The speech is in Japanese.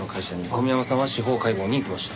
小宮山さんは司法解剖に行きました。